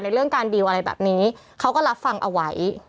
เรื่องการดีลอะไรแบบนี้เขาก็รับฟังเอาไว้